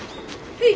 はい。